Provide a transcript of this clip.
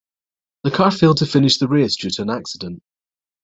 The car failed to finish the race due to an accident.